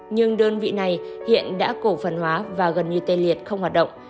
nhưng đơn vị này hiện đã cổ phần hóa và gần như tê liệt không hoạt động